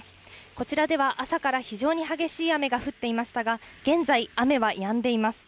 こちらでは朝から非常に激しい雨が降っていましたが、現在、雨はやんでいます。